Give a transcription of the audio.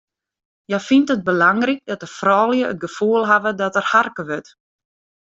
Hja fynt it belangryk dat de froulju it gefoel hawwe dat der harke wurdt.